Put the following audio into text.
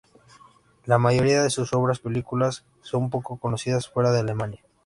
La mayoría de sus otras películas son poco conocidas fuera de Alemania.